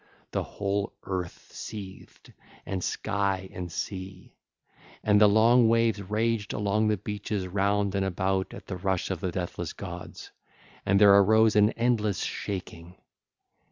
The whole earth seethed, and sky and sea: and the long waves raged along the beaches round and about, at the rush of the deathless gods: and there arose an endless shaking.